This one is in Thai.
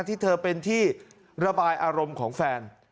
ที่เธอเป็นที่ระบายอารมณ์ของแฟน